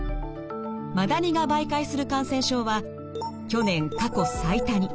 マダニが媒介する感染症は去年過去最多に。